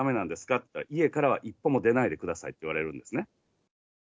って言ったら、家からは一歩も出ないでくださいって言われるんですね。